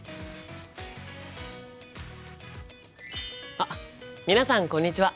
あっ皆さんこんにちは！